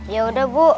ya udah bu